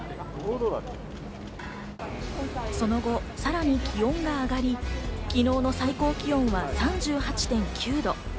その後、さらに気温は上がり、昨日の最高気温は３８．９度。